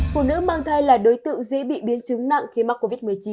phụ nữ mang thai là đối tượng dễ bị biến chứng nặng khi mắc covid một mươi chín